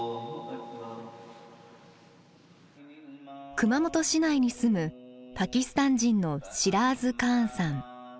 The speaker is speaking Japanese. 熊本市内に住むパキスタン人のシラーズ・カーンさん。